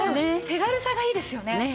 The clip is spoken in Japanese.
手軽さがいいですよね。